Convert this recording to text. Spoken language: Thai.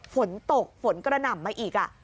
ฝนตกฝนกระหน่ำมาอีก